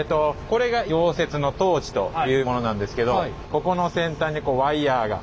これが溶接のトーチというものなんですけどここの先端にこうワイヤーが。